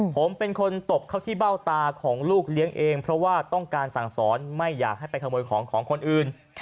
ผมเป็นคนตบเข้าที่เบ้าตาของลูกเลี้ยงเองเพราะว่าต้องการสั่งสอนไม่อยากให้ไปขโมยของของคนอื่น